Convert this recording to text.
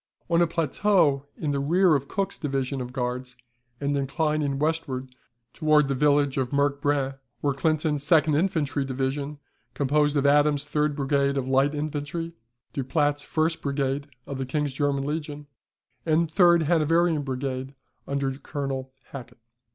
On a plateau in the rear of Cooks's division of Guards, and inclining westward towards the village of Merk Braine, were Clinton's second infantry division, composed of Adams's third brigade of light infantry, Du Plat's first brigade of the King's German legion, and third Hanoverian brigade under Colonel Halkett.